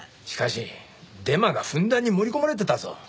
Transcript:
しかしデマがふんだんに盛り込まれてたぞ。